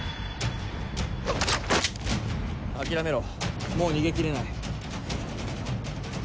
諦めろもう逃げ切れない。